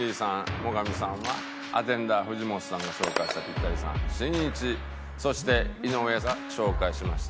最上さんはアテンダー藤本さんが紹介したピッタリさんしんいちそして井上さんが紹介しました